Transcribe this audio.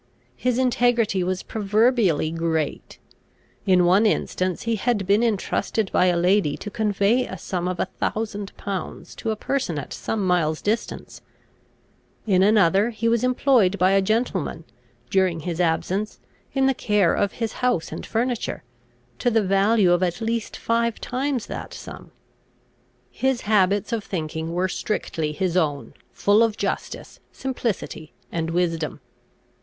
His integrity was proverbially great. In one instance he had been intrusted by a lady to convey a sum of a thousand pounds to a person at some miles distance: in another, he was employed by a gentleman, during his absence, in the care of his house and furniture, to the value of at least five times that sum. His habits of thinking were strictly his own, full of justice, simplicity, and wisdom.